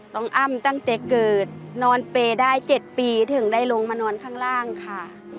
อ้ำตั้งแต่เกิดนอนเปย์ได้๗ปีถึงได้ลงมานอนข้างล่างค่ะ